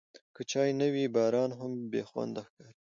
که چای نه وي، باران هم بېخونده ښکاري.